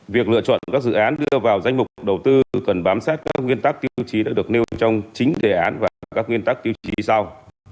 việc lựa chọn các dự án đưa vào danh mục đầu tư cần bám sát các nguyên tắc tiêu chí đã được nêu trong chính đề án và các nguyên tắc tiêu chí sau